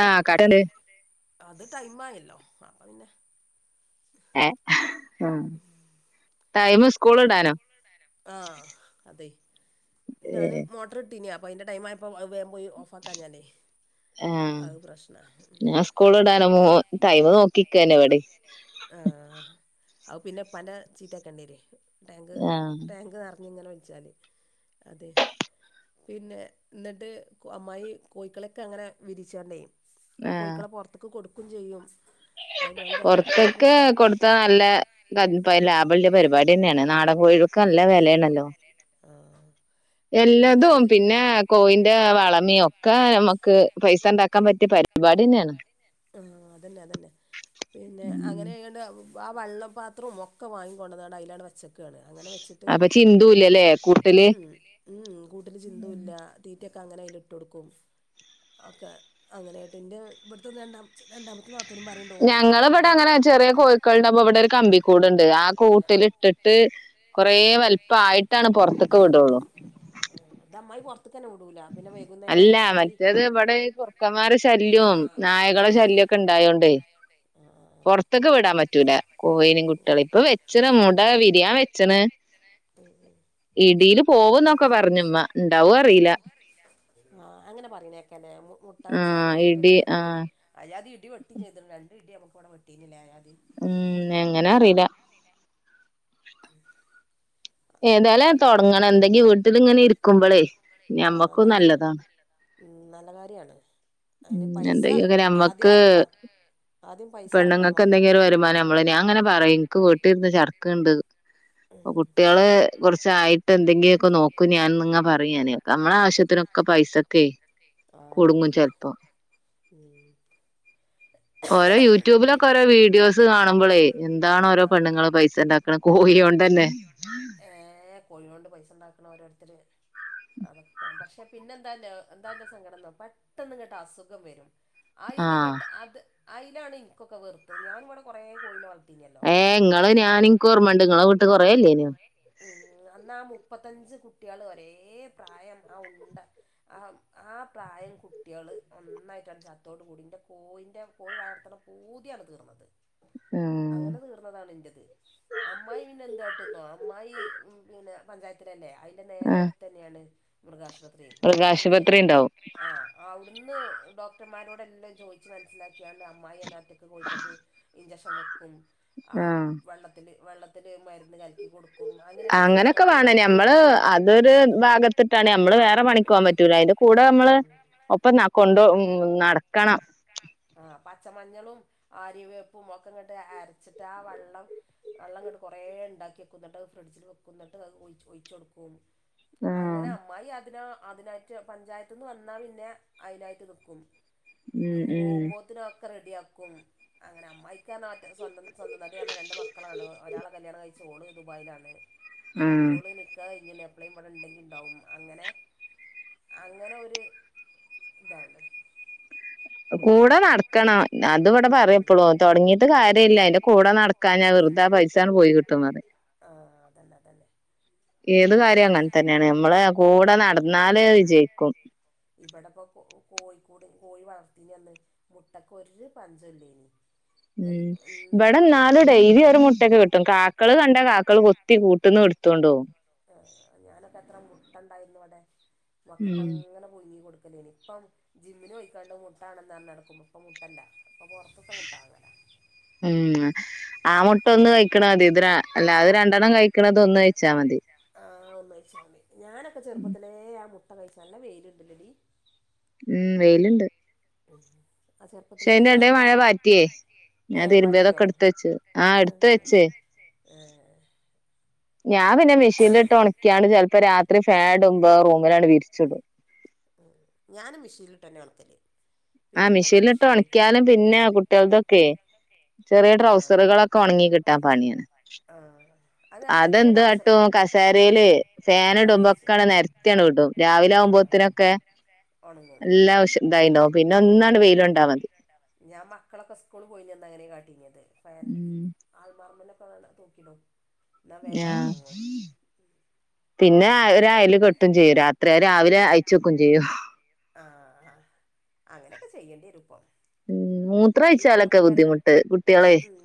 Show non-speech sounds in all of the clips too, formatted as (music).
ആഹ് കട്ടണ്ട് (inaudible) അത് ടൈം ആയല്ലോ അപ്പ പിന്നെ. ഏ ഹ് ടൈമ് സ്കൂൾ ഇടാനോ? ആഹ് അതെ ഞാന് മോട്ട്ർ ഇട്ടീനി അപ്പൊ അയിന്റെ ടൈമായപ്പോ അഹ് വേ പോയ് ഓഫാക്കാഞ്ഞാലെ. ആഹ് ഞാൻ സ്കൂള് ഇടാനോ മോ ടൈമ് നോക്കിക്കേനെ ഇവടിം. ആ.. ഹ് അഹ് പിന്നെ പല ചീറ്റാക്കണ്ട്യരെ ടാങ്ക് ആഹ് ടാങ്ക് നെർ ഇങ്ങനെ വിളിച്ചാൽ അത്. പിന്നെ എന്നിട്ട് ഉ അമ്മായി കോയിക്കളൊക്കെ അങ്ങനെ വിരിച്ചാണ്ടേ. ആഹ് കോയിക്കളെ പൊറത്ത്ക്ക് കൊടുക്കും ചെയ്യും അതുപോൽ തന്നെ. ക്കെ മുട്ട കൊടുത്ത നല്ല (unintelligible) ലാബല്ല്യ പരിപാടിന്നേണ് നാടൻകോഴി ക്കെ നല്ല വെലേണല്ലോ. ആ എല്ലതും പിന്നെ കോയിന്റെ വളമിം ഒ ക്കെ നമ്മുക്ക്. പൈസ ഉണ്ടാക്കാൻ പറ്റിയ പരിപാടിന്നേണ്. ആ അതന്നെ അതന്നെ പിന്നെ ഉം അങ്ങനെആയാണ്ട്. ആ വെള്ള പാത്രും ഒക്കെ വാങ്ങിക്കൊണ്ടന്നാണ്ട് അയിലാണ്ട് വച്ച ക്കാണ് (unintelligible) അങ്ങനെ വെച്ചിട്ട് അപ്പൊ ചിന്തൂല്ലല്ലേ ചിന്തൂലലെ കൂട്ടില് മ്ഹ് മ്ഹ് കൂട്ടിൽ ചിന്തുല്ല. മറ്റൊ (unintelligible) ക്കെ അങ്ങനെ അതില ഇട്ട് കൊടുക്കും ഒക്കെ അങ്ങനെയായിട്ട് എന്റെ ഇവിടുത്തെ രണ്ട രണ്ടാമത്തെനാത്തൂ ഞങ്ങിവിടെ അങ്ങനെ ചെറിയ കോയി ക്കൾ ഉണ്ടാവുമ്പോ ഇവിടെ ഒരു കമ്പിക്കൂടുണ്ട് ആകൂ ട്ടിലിട്ടിട്ട് കുറേ വലീ പ്പയിട്ടാണ് പുറത്തൊക്ക വിടുുള്ളൂ ആഹ അമ്മമായിറത്ത് (unintelligible) പി (unintelligible) രാവിലെ (unintelligible) അല്ല മറ്റേത് ഇവിടെ കുറു ക്കന്മാരെ ആ ശല്യവും നായകള ശല്യക്കെ ഇണ്ടായോണ്ട് ആ ആ പുറത്തൊക്ക വിടാൻ പറ്റ (unintelligible) റ്റ കോയിനിം കുട്ടികളീം ഇപ്പൊ വെച്ചണ് മുട വിരിയാൻ വെച്ചണ് ഉം ഉം ഇടിയില് പോവും എന്നൊക്കെ പറഞ്മ്മ ഉണ്ടാവും അറിയില്ല ആഹ് അങ്ങനെ പറയണേക്കല്ലേ മുട്ട വെച്ചാല് ആഹ് ഇടി ഇടട്ടിയാ പോു ആഹ് അ അജാതി ഇടി വെട്ടും ചെയ്തു രണ്ട് ഇടി നമക്ക് ഇവിടെെ (unintelligible) ട്ടീില്ല ഉം എങ്ങനെ അറിയില ഉം ഏതായാലും തുടങ്ങണം എന്തെങ്കും വീട്ടില ഇങ്ങനെ ഇരിക്കുമ്പോളേ ആഹ് ഞമ്മക്ക് നല്ല നല്ലതാണ് ഉം നല്ല കാര്യാണ് അതിന് ഉം പൈസ ആദ്യം ഇറക്കാം പെണ്ണുങ്ങക്ക് എന്തെങ്കിലും ഒരു വരുമാനം നമ്മള് ഞാൻ അങ്ങനെ പറയും ഇനിക്ക് വീട്ടിൽ ഇരുുന്ന ചട് ക്കണ്ട് ഉം കുട്ടിളെ കുറച്ചായിട്ട് എന്തെങ്കിലുമൊ ഒക്കെ നോക്കും ഞാൻ നിങ്ങ പറയാഞാൻ നമ്മളെ ആവശ്യത്തിനൊക്കെ പൈസൊക്കെ ആഹ അതന്നെ ഉം ഓരോ യൂട്യൂബിലൊക്കെ ഓരോ വീഡിയോസ് കാണുമ്പോളേ എന്താണ് ഓരോ ആഹ് പെണ്ണുങ്ങള് പൈസ ഉണ്ടാക്കണ് കോഴി കൊണ്ട് തന്നെ ആഹ (unintelligible) ഏ കൊഴികോണ്ട് പൈ ഓരോരുത്തർ അതൊെ പക്ഷെ പിന്നെ എന്താ എന്താ സ ങ്കടം ന്ന പെട്ടെന്ന് ഇങ്ങട്ട് അസുഖം വരും ആഹ് അതിലങ്ങട്ട് അത് അതിലാണ് ഇനിക്കൊക്കെ വെറുത്തത് ഞാനിവിടെ കുറെ കോയിനെ വളർ (unintelligible) ഇങ്ങള് നാനിനക്ക് ഓർമുണ്ട് നിങ്ങളെ വീട്ട ൽ കൊറവല്ലേന ഉം അന്നാ (unintelligible) മുപ്പത്തഞ്ച് കുട്ടികൾ ഒരേ പ്രായം ആ ഉണ്ടആ ആ പ്ര പ്രായം കുട്ടികള് ഒന്നായിട്ടാണ് ചത്തോട് കൂടിൻ്റെ കോഴൻ്റെ കോഴി വളർത്തണം പൂതിയാണ് തീർന്നത് ഉം അങ്ങനെ തീർന്നതാണ് ഇ ൻ്റേത് അമ്മായി പിന്നെ എന്തായിട്ടെന്നോ അമ്മായി പിന്നെ പഞ്ചായത്തിലല്ലേ അതിന്റെ നേരെ അടുത്ത് തന്നെയാണ് മൃഗാശുപത്രി മൃക ആശുപത്രി ആ അവിടുന്ന് ഡോക്ടർമാരോടെല്ലാം ചോയിച്ചമനസ്സിലാക്കിയാണ്ട് അമ്മായിന്നെ കോഴ ഇചക്ഷൻ വെക്കും ആഹ് വെ വെ (unintelligible) ത്തില് മ രുന്ന് കലക്കി കൊടുക്കും (unintelligible) അങ്ങനെയൊക്കെ വേണം അമ്മായിക്ക് നഞമ്മള് അതൊരു ഭാഗത്തിട്ടാണ് നമ്മള് വേറെ പണിക്ക് പോവാൻ പറ്റൂല അന്റെ കൂടെ അടെ (unintelligible) നമ്മള് ഒപ്പ കൊണ്ട നടക്കണം ആ പച്ചമഞ്ഞളും ആരിയവേപ്പും ഒക്കെ ഇങ്ങോട്ട് അരച്ചിട്ട് ആ വെള്ളം വെള്ളം ങ്ങട്ട് കുറെേ ഉണ്ടാക്കിവെക്കും എന്നിട്ടത് ഫ്രിഡ്ജിൽ വെക്കും ഒഴിച്ചച്ച് കൊടുക്കും ഉം അങ്ങനെ അമ്മായി അതിന അതിനായിട്ട് പഞ്ചായത്ത് വന്നാ പിന്നെ അതിനായിട്ട് നിക്കും (unintelligible) ക്ക റെഡിയാക്കും അങ്ങനെ അമ്മായിക്ക സ്വന്തം സ്വന്തം തടി പറഞ്ഞ രണ്ട് മക്കളാണ് ഒരാൾ കല്യാണം കഴിച്ച മോള് ദുബായിലാണ് ഉം മറ്റോള് നിക്കാഹ് കൈഞ്ഞ എപ്ലൈക്കിലും ഇണ്ടെങ്കി ഉണ്ടാവും അങ്ങനെ അങ്ങനെ (unintelligible) (unintelligible) ഒരു ഇതാണ് കൂടെ നടക്കണം അത് ഇവിടെ പറയപ്പോളൂ തുടങ്ങിയിട്ട് കാര്യമില്ലല്ല അതിന്റെ കൂടെ നടക്കാ ഞാൻ വെറുതെ പൈസാണ് പോയി കിട്ടുംതി ആ അതന്നെ തന്നെ ഏത് കാര്യം അങ്ങനെ തന്നെയാണ് നമ്മള് ഇബ കൂടെ നടന്നാല് വിജയിക്കും ഇവിടെപ്പൊ കോഴിക്കൂട് കോഴിവളർത്തിനിയന്ന് മുട്ടക്ക് ഒരുപഞ്ചോല്ലയ്നി ഉം ഇവിടെന്നാലും ഡൈലിഒരു മുട്ടൊക്കെകിട്ടും കാക്കള്കണ്ട കാക്കള് കൊ കുത്തികൂട്ടന്ന് ഇടുത്തോണ്ടോവും ആ ഞാനൊക്കത്രെമുട്ടഉണ്ടായിരുന്നുവിടെ ഉം മക്കൾക്ക്ങ്ങനെ പുഴുങ്ങികൊടു ഇപ്പംജിമ്മിന് പോയിക്കാണ്ട്മുട്ടാണെന്ന്റഞ്ഞാട ക്കും ഇപ്പോമുട്ടല്ല ഉം ആമു ഒന്ന്കഴിക്കണ (unintelligible) അല്ലാതെരണ്ടെണ്ണം കഴിക്കണത്ഒന്ന് കഴിച്ചാമതി ആഹ് ഒന്നഴിച്ചമതി ഞാനൊക്കെചെറുപ്പത്തിലേ ആമുട്ടകഴിച്ച നല്ലവെയില്ണ്ട്ലെഡി ഉം വെയില്ണ്ട് (inaudible) (unintelligible) (unintelligible) ഞാനൊക്കെ ഏ ഞാൻ പാറ്റിയോ തുരുമ്പിയാതൊക്കെട്ത്ത് വെച്ചു ആഹ് ആ എടുത്ത് വച്ചേ ആ ഞാൻപിന്നെ മിഷീൻലിട്ട് ഒണക്കിയാണ്ചെൽപ്പോ രാത്രിഫേ നുടുമ്പോ റൂമിലാണ് വിരിച്ച്ടും ഞാനും മിഷീൻല്ട്ടന്നെ ഒൺക്കല് ആ മിഷീൻലിട്ട്ഒണക്കിയാലും പിന്നെ കുട്ടിയളതൊക്കെയ് ആ ചെറിയട്രൗസറുകളൊക്കെ ഉണങ്ങികിട്ടാൻ പണിയാണ് ആ അത് ആ മറ്റേ ടൗസർ അതെന്ത്കാട്ടും കസേരയില് ഉണങ്ങും ആ വിരിച്ച് ഫാനുടുമ്പോക്കെന്ന് നെരത്തിയണ്ടും ആ രാവിലെആമ്പോത്തിന (unintelligible) ഉണങ്ങും (unintelligible) പിന്നെഒന്നാണ് വെയിലൊണ്ടാമതി ഞാൻ മക്കളൊക്കെസ്കൂള് പോയിനീഅന്ന്അങ്ങനെ കാട്ടീണത് ഫാൻ ഉം അൾമാറ തൂക്കിടും ആഹ (unintelligible) പിന്നെ അവരൊക്കെ ഒരഅയല്കെട്ടുംചെയ്യൂം രാത്രിയരാവിലെ അയച്ചെക്കുംചെയ്യും ആഹ ആ അങ്ങനെയൊക്കെ ചെയ്യേണ്ടിരുപ്പോ ഉം മൂത്രംഒഴിച്ചാലൊക്കെബുദ്ധിമുട്ട് ഉം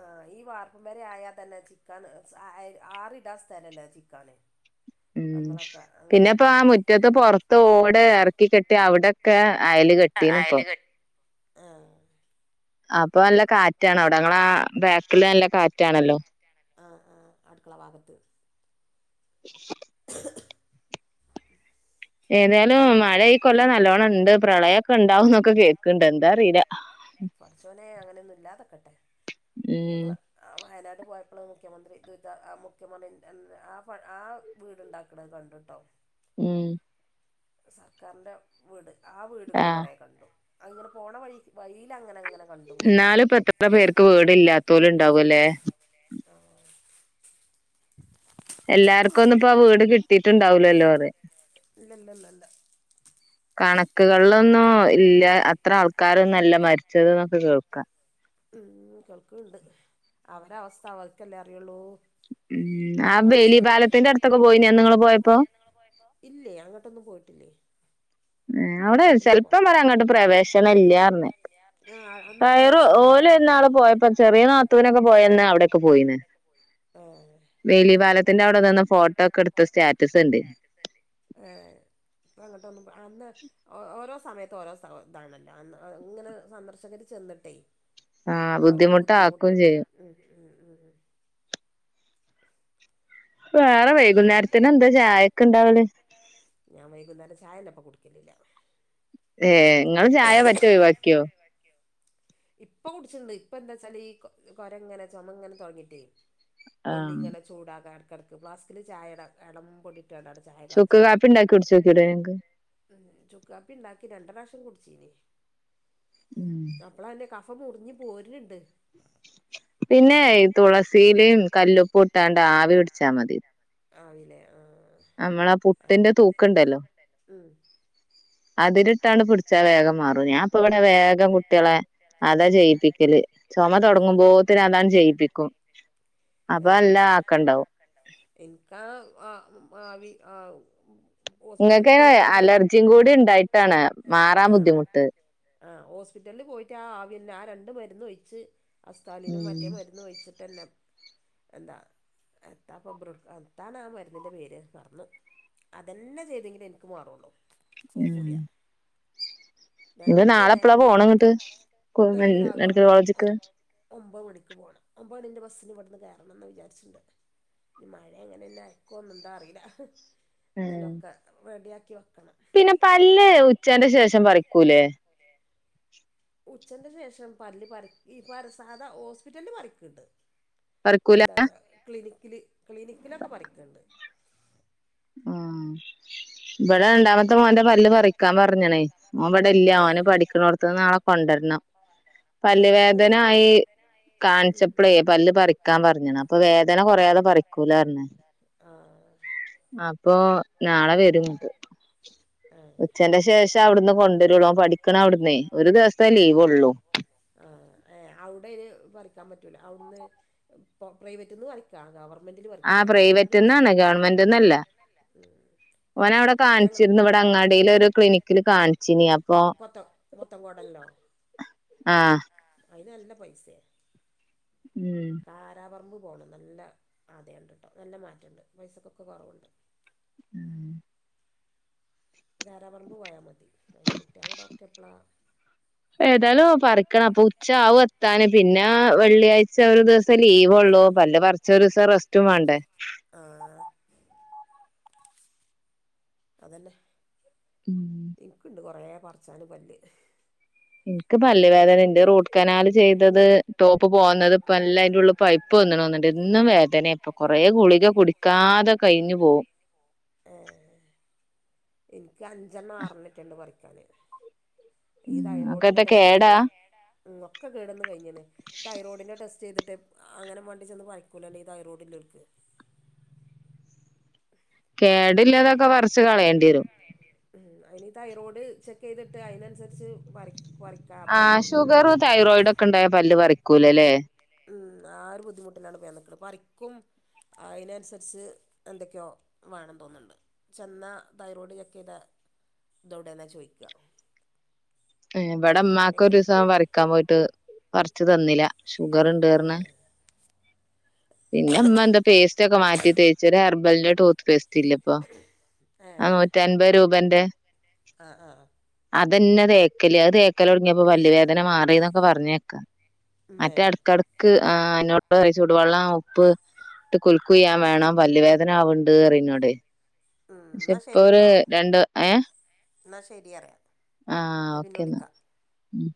ആ ഈവാർപ്പംപെര ആയാതന്നെ ചി (unintelligible) ആറിടാൻസ്ഥലല്ല ചിക്കാനെ ഉം പിന്നെപ്പൊആ മുറ്റത്ത് പൊറത്ത് ഓട് എർക്കികെട്ടി അവിടൊക്കെ അയല്കെട്ടീന്ന് ഇപ്പൊ ആഹ് അപ്പോല്ല കാറ്റാണവിടെ ങ്ങളാബാക്കില്നല്ല കാറ്റാണല്ലോ ആ ആ അടുക്കളഭാഗത്ത്. (inaudible) എന്നിട്ട് ഏതായാലും കു മഴഈകൊല്ലം നല്ലോണണ്ട് പ്രളയൊക്കെ ഉണ്ടാവുംന്നൊക്കെ കേൾക്കണ്ട് എന്താഅറീല്ല പടച്ചോനെ അങ്ങനൊന്നുംഇല്ലാതൊക്കട്ടെ ഉം ഞങ്ങ ആ വയനാട്ട (unintelligible) മുഖ്യമന്ത്രി (unintelligible) ആ ആ വീടുണ്ടാക്കണ കണ്ടട്ടോ ഉം സർക്കാരിന്റെ വീട് ആഹ് ആവീടുകള്കൊറെ കണ്ടു അങ്ങനെപോണവഴി വഴിലങ്ങനെങ്ങനെ എന്നാലും (unintelligible) പേർക്ക് വീടല്ലാത്തോലുംണ്ടാവൂല്ലേ? (inaudible) എല്ലാർക്കുംഒന്ന്പ്പോ ആ വീട്കിട്ടിട്ടുണ്ടാവുലല്ലോറെ ഇല്ലല്ലല്ലല്ല കണക്കുകൾളൊന്നും ഇല്ല അത്രആൾക്കാരൊന്നല്ല മരിച്ചത് ന്നൊക്കെകേൾക്കാ ഉം കേൾക്കുണ്ട് അവരെഅവസ്ഥ അവർക്കല്ലേഅറിയുള്ളൂ ഉം ആ വേലിപാലത്തിന്റെ അടുത്തൊക്കെപോയീനൊ അന്ന്നിങ്ങള്പോയപ്പോ? ഇല്ലേയ് അങ്ങോട്ടൊന്നുംപോയിട്ടില്ലേ അവിടെ ചെൽപ്പംപറിം അങ്ങട്ട്പ്രവേശനഇല്ല്യറഞ്ഞി ആ അന്ന് വയറു പ്രവേശനം ഇല്ലായിരുന്നു ഓല്എന്നാള് പോയപ്പോചെറിയ നാത്തുനൊക്കെപോയന്ന് അവിടെക്കെപോയിന്ന് ആ വേലീപാലത്തിന്റെ അവിടെനിന്ന്ഫോട്ടോഒക്കെഎടുത്ത് സ്റ്റാ (unintelligible) അന്ന് ഓരോസമയത്തുംഓരോസാഇതാണല്ലോ അന്ന്ഇങ്ങനെ സന്ദർശകര്ചെന്നിട്ടേ ആഹ ബുദ്ധിമുട്ട് ആക്കു ചെയ്യും ഉ ഉ (inaudible) വേറെ അങ്ങനെ വൈകുന്നേരത്തിന് എന്താ ചായൊക്കെ ഇണ്ടാവല് ഞാൻ വൈകുന്നേരം ചായന്റെ ഒപ്പം കുടിക്കലില്ല ഏ നിങ്ങള് ചായ പറ്റെ ഒഴിവാക്കിയോ ഇപ്പൊ കുടിച്ചിുണ്ട് ഇപ്പൊ എന്താ വച്ചാല് ഈ കൊരങ്ങനെ ചുമങ്ങനെ തുടങ്ങിട്ടേ ആഹ് കൊല്ലിങ്ങനെ ചൂടാക ഇടക്കടക്ക് ഫ്ലാസ്കില് ചായ എളം പൊടിട്ട് ചായ ചുക്ക് കാച്ചിക്കും കാപ്പി ഇണ്ടാക്കി കുടിച്ചോക്കൂടെ നിങ്ങക്ക്? ചുക്കാപ്പി ഉണ്ടാക്കി ര കു ടിച്ചീനി ഉം അപ്പള അന്റെ കഫം മുറിഞ് പോരുന്ണ്ട് പിന്നെ തുളസിയിലും കല്ലൊപ്പ ഇട്ടാണ്ട് ആവി പിടിച്ചാ മതി ആവില്ലേ ആ നമ്മളാ പുട്ടിന്റെ തൂക്കുണ്ടല്ലോ അതിരിട്ടാണ് പിടിച്ചാ വേഗം മാറും ഞാൻ ഇപ്പ ഇവിടെ വേഗം കുട്ടികളെ അതാ ചെയ്യിപ്പിക്കല് ചുമ തുടങ്ങുമ്പോത്തിന അതാണ് ചെയ്യിപ്പിക്കും അപ്പൊ എല്ലാ ആക്കണ്ടാവും എനക്ക്ാ ആ ആവി ആ ഹോസ്പിറ്റലിൽ നിങ്ങൾക്ക് പോയിക്കാണ്ട് അലർജിയും കൂടി ഉണ്ടായിട്ടാണ് മാറാൻ ആഹ് ബുദ്ധിമുട്ട് ആ ഹോസ്പിറ്റലിൽ പോയിട്ട് ആ ആവിന്നെ ആ രണ്ട് മരുന്ന് ഒഴച്ച് അസ്ാലിനും മറ്റേ ഉം മരുന്ന് വഴിച്ചിട്ട് തന്നെ എന്താ എത്താ പെബ്ര എത്താാണ് ആ മരുന്നിന്റെ പേര് മറന്നു അതന്നെ ചെയ്തെങ്കിലിൽ എനിക്ക് മാറുള്ളൂ ൂ കൂടിയാ നിങ്ങള് നാളെ എപ്പളാ പോണം ഇങ്ങിട്ട് നാളെ രാവിലെ മെഡിക്കൽ കോളേജക്ക് ഒമ്പ മണിക്ക് പോകണം ഒമ്പ മണിന്റെ ബസ്സിന് ഇവിടുന്ന് കയറണംന്ന് വിചാരിച്ചിുണ്ട് ഇനി മഴ അങ്ങനെന്നെ അയക്കോന്ന എന്താ അറിയില്ല ഇന്നലെൊക്കെ റെഡിയാക്കി വെക്കണം പിന്നെ പല്ലേ ഉച്ചന്റെ ശേഷം പറിക്കൂലേ ഉച്ചന്റെ ശേഷം പല്ല് പറ ഈ സാധാ ഹോസ്പിറ്റലില് പറിക്ക് പറിക്കൂല എന്താച്ചാ ക്ലിനിക്കില് ക്ലിനിക്കിലൊക്കെ പറിക്കുന്നുണ്ട് ആഹ ഇവിടെ ഉണ്ടാമത്തെ മോൻന്റെ പല് പറിക്കാൻ പറഞ്ഞണേ ഓൻ ഇവിടെ ഇല്ല ഓനന് പഠികുന്നോടതിന് നാളെ കൊണ്ട ആ പല്ല് അത് വേദന നമ്മൾ ആായി ഉം. കാണിച്ചപ്പളേ പല്ല് പറിക്കാൻ പറഞ്ഞാണ് അപ്പൊ വേദന കൊറയാതെ പറിക്കൂല പറഞ്ഞേ ആ ഇപ്പൊ നാളെ വരും ഇങ്ങറ്റ് (inaudible) ഉച്ചന്റെ ശേഷം അവിടുന്ന് കൊണ്ടുവരുള്ളൂ പഠിക്കണം അവിടുന്നേ ഒരു ദിവസത്തെേ ലീവ് ഉള്ളു ആ അവിടെ ഇന് പഠിക്കാൻ പറ്റ അവിടന്ന് പ്രൈവറ്റന്ന് പറി ക്കാ--ഗവർ ആ പ്രൈവറ്റ്ന്നാണ് ഗവൺമെന്റ്ന്നല്ല ഓന അവിടെ ഞങ്ങൾ കാണിച്ചിരുന്നുവിടെ അങ്ങാടിൽ ഒരു ക്ലിനിക്കില് കാണിച്ചിന അപ്പൊ മൊത്തം മൊത്തം കോടല്ലോ ആഹ് അല്ല പൈസ്യാ കാരാപറമ്പ് പോകണം നല്ല ആതയമുണ്ട് കേട്ടോ നല്ല മാറ്റമുണ്ട് പൈസക്കൊക്കെ കുറവുണ്ട് ഉം ധാരാ പറമ്പ് പോയാൽ മതി അതിന് കുട്ടികളെ ഡോക്ടർ എപ്പളാ ഏതായാലും പറിക്കണം അപ്പൊ ഉച്ച ആവും എത്താാന് പിന്നെ വെള്ളിയാഴ്ച ഇച്ച് ഒരു ദിവസം ലീവ്ള്ളൂ പല്ലേ പറച്ച ഒരു ദിവസം റസ്റ്റും വേണ്ടേ ആ അതന്നെ ഉം ഇനിക്ക്ണ്ട് കുറ പാറി ച്ചാന് പല്ല് ഉം പല് വേദനുണ്ട് റൂട്ട് കനാൽ ചെയ്തത് ടോപ്പ് പോകുന്നത് ഇപ്പ എല്ല അന്റെ ഉള്ള പൈപ്പ് വന്ന് തോന്ന് ണ്ട് എന്നും വേദന ഇപ്പൊ കൊറെ ഗുളിക കുടിക്കാതെ കഴിഞ്ഞു പോവും ഏഹ് എനിക്ക് അഞ്ചെണ്ണം ആറെണ്ണക്കെണ്ട് പറിക്കാന് ഉംഅകതൊക്ക ഒക്കെ കേട് വന്ന് കഴിഞ്ഞേണ് തൈറോയിഡിൻ്റെ ടെസ് റ്റ് ചെയ്തിട്ട് അങ്ങനെ വേണ്ടി ചെന്ന് പറിക്കൂലല്ല ഈ തൈറോയ്ഡിലോർക്ക് കേടില്ലാതൊക്കെ പറച്ച് കളയേണ്ടി വരും അതിനി തൈറോയ്ഡ് ചെക്ക് ചെയ്തിട്ട് അതിനനുസരിച്ച് പറി പറിക്കാ അപ്പം ആഹ് ഷുഗർ ഇവിടെ തൈറോയിഡ് ഒക്കെ ഉണ്ടായ പല്ല് പറിക്കൂലല്ലേ ഉം ആഹ് ഒരു ബുദ്ധിമുട്ടിലാണ് ഇപ്പ ഞാൻ നിക്കണെ പറിക്കും അതിനനുസരിച്ച് എന്തൊക്കെയോ വേണം തോന്നണ്ട് ചെന്നാ തൈറോയ്ഡ് ചെക്ക് ചെയ്തേ ഇതോടെന്നാ ചോദിക്ക ഇവിടെ ഉമ്മാക്ക് ഒരു ദിവസം പറിക്കാൻ പോയിട്ട് പറിച്ച് തന്നില ഷുഗർ ഇണ്ട് പറഞ്ഞ് ഏഹ് പിന്നെ ഉമ്മ എന്താ പേസ്റ്റ് ഒക്കെ മാറ്റി തേച്ചു ഒരു ഹെർബലിന്റെ ടൂത്ത് പേസ് റ്റില്ലപ്പൊ ആ ഏഹ് നൂറ്റി അൻപത് രൂപേന്റെ ആഹ് ആഹ് അതന്നെ തേക്കല് അത് തേക്കല് തുടങ്ങിയപ്പോ പല്ലുവേദന മാറീന്നൊക്കെ പറഞ്ഞേക്കാ ഉമ്മേ മറ്റേ എടക്കടക്ക് ആഹ് അന്നോട്ട് വായ് ചൂടുവെള്ളം ഉപ്പ് ഇട്ട് കുലുക്ക്കുയ്യാൻ വേണം പല്ലുവേദന ആവണ്ട് പറയും എന്നോട് ഉം പക്ഷെ ഇപ്പൊ അവർ രണ്ട് ഏഹ് എന്നാ ശരിയറിയാം ആ ഓക്കേ അന്നാ ഉം